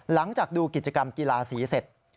หลังจากดูกิจกรรมกีฬาสีเสร็จ